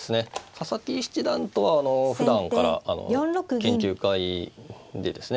佐々木七段とはふだんから研究会でですね